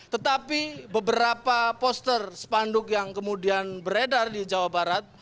tetapi beberapa poster spanduk yang kemudian beredar di jawa barat